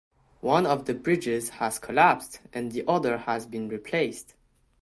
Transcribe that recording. One of the bridges has collapsed and the other has been replaced.